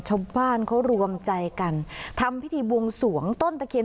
ชาวบ้านเขารวมใจกันทำพิธีบวงสวงต้นตะเคียน